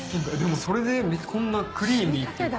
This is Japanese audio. それでクリーミーっていうか。